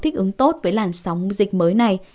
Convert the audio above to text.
thích ứng tốt với làn sóng dịch mới này